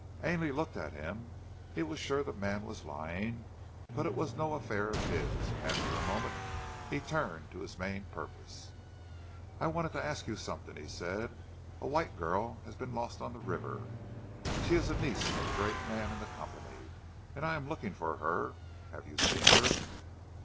Ainley looked at him. He was sure the man was lying, but it was no affair of his, and after a moment he turned to his main purpose. "I wanted to ask you something," he said. "A white girl has been lost on the river she is a niece of a great man in the Company, and I am looking for her. Have you seen her?"